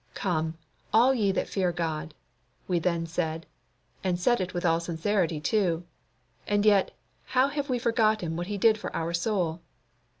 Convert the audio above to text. Come, all ye that fear God! we then said, and said it with all sincerity too. And yet, how have we forgotten what He did for our soul?